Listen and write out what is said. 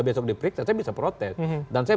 besok diperiksa saya bisa protes dan saya